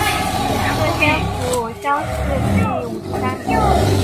顺天府乡试第五十三名。